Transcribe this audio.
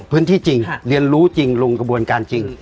จริงเรียนรู้จริงลงกระบวนการจริง